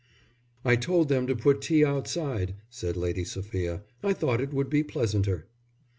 "I told them to put tea outside," said Lady Sophia. "I thought it would be pleasanter."